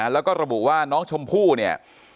แล้วก็ระบุว่าน้องชมพู่เนี่ย